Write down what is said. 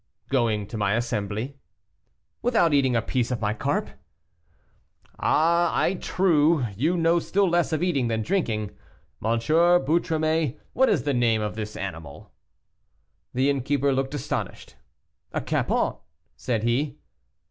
"Going to my assembly." "Without eating a piece of my carp?" "Ah I true; you know still less of eating than drinking. M. Boutromet, what is the name of this animal?" The innkeeper looked astonished. "A capon," said he.